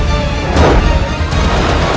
aku akan mencari dia